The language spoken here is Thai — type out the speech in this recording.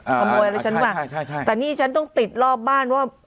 เอ่ออ่าใช่ใช่ใช่แต่นี่ฉันต้องติดรอบบ้านว่ะ